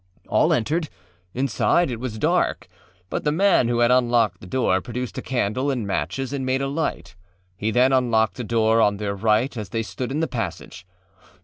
All entered. Inside it was dark, but the man who had unlocked the door produced a candle and matches and made a light. He then unlocked a door on their right as they stood in the passage.